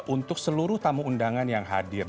untuk seluruh tamu undangan yang hadir